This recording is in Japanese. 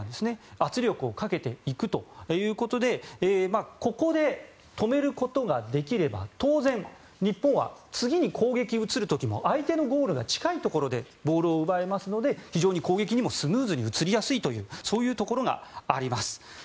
圧力をかけていくということでここで止めることができれば当然、日本は次に攻撃に移る時も相手のゴールに近いところでボールを奪えますので非常に攻撃にもスムーズに移りやすいというそういうところがあります。